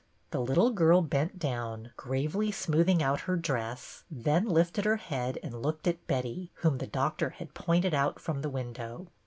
'^ The little girl bent down, gravely smoothing out her dress, then lifted her head and looked at Betty, whom the doctor had pointed out from the window.